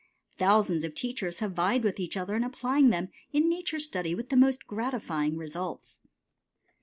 Thousands of teachers have vied with each other in applying them in nature study with most gratifying results.